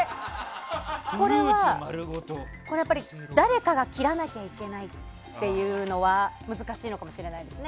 これは誰かが切らなきゃいけないっていうのは難しいのかもしれないですね。